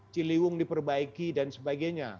ciliwung diperbaiki dan sebagainya